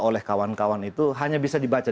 oleh kawan kawan itu hanya bisa dibaca